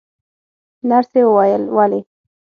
نرسې وویل: ولې؟